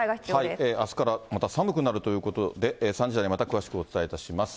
あすからまた寒くなるということで、３時台にまた詳しくお伝えいたします。